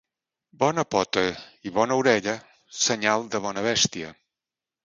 Bona pota i bona orella, senyal de bona bèstia.